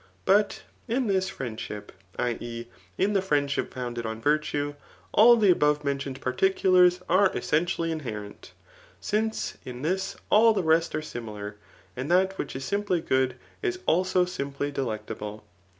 But in this friendship [i. e. in the friendship founded on virtue] all the above mentioned particulars are essen tially inherent ; since in this all the rest are similar, and that which is simply good is also simply delectable.